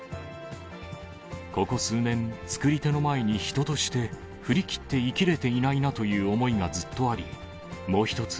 ここ数年、作り手の前に人として、降り切って生きれていないなという思いがずっとあり、もう一つ。